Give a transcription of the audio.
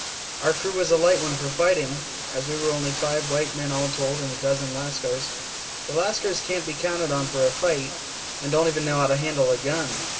Our crew was a light one for fighting, as we were only five white men all told and a dozen LavScars. The Lascars can't be counted on for a fight and don't even know how to handle a gun.